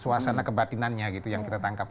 suasana kebatinannya gitu yang kita tangkap